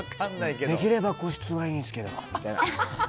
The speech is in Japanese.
できれば個室がいいっすけどみたいな。